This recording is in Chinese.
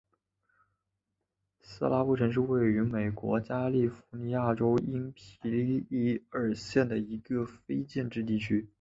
斯拉布城是位于美国加利福尼亚州因皮里尔县的一个非建制地区。